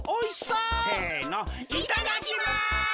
いただきます。